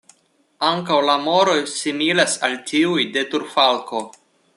Ankaŭ la moroj similas al tiuj de turfalko.